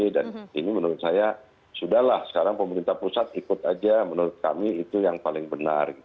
dan ini menurut saya sudah lah sekarang pemerintah pusat ikut aja menurut kami itu yang paling benar